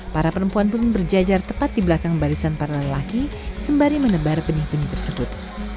para perempuan pun berjajar tepat di belakang barisan para lelaki sembari menebar benih benih tersebut